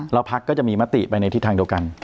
แล้วพักก็จะมีมติไปในทิศทางเดียวกัน